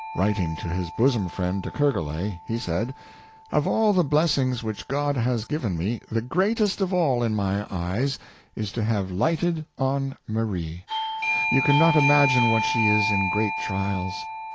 Writing to his bosom friend, De Ker gorlay, he said: '' Of all the blessings which God has given me, the greatest of all, in my eyes, is to have lighted on Marie. You can not imagine what she is in great trials.